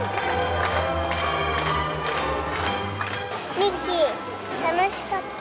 ミッキー、楽しかった。